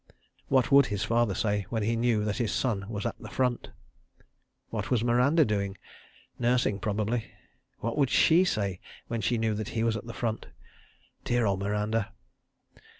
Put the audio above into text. ... What would his father say when he knew that his son was at the Front? ... What was Miranda doing? Nursing, probably. ... What would she say when she knew that he was at the Front? ... Dear old Miranda.